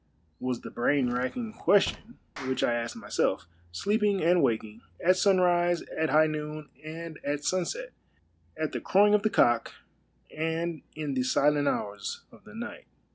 was the brain racking ques tion which I asked myself, sleeping and waking, at sunrise, at Iiigh noon, and at sunset ; at the crowing of the cock, and in the silent hours of the night.